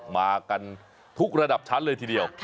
มากันทุกระดับชั้นเลยทีเดียว